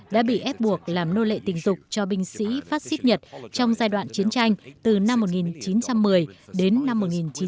đã bị ép buộc làm nô lệ tình dục cho binh sĩ pháp xích nhật trong giai đoạn chiến tranh từ năm một nghìn chín trăm một mươi đến năm một nghìn chín trăm bốn mươi năm